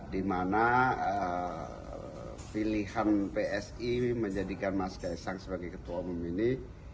dimana pilihan psi menjadikan mas kaisang sebagai ketua umum ini